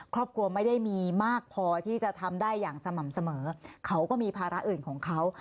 ครอบครัวไม่ได้มีมากพอที่จะทำได้อย่างสม่ำเสมอเขาก็มีภาระอื่นของเขา